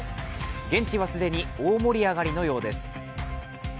現地は既に大盛り上がりのようです。